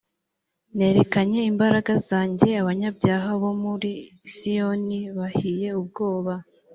nerekanye imbaraga zanjye abanyabyaha bo muri siyoni bahiye ubwoba